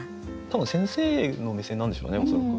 多分先生の目線なんでしょうね恐らく。